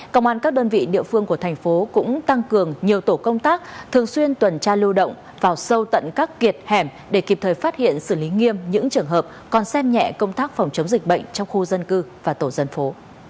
công an các đơn vị địa phương của thành phố cũng tăng cường nhiều tổ công tác thường xuyên tuần tra lưu động vào sâu tận các kiệt hẻm để kịp thời phát hiện xử lý nghiêm những trường hợp còn xem nhẹ công tác phòng chống dịch bệnh trong khu dân cư và tổ dân phố